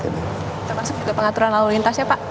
termasuk juga pengaturan lalu lintas ya pak